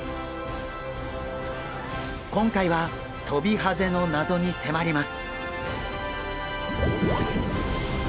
今回はトビハゼの謎に迫ります！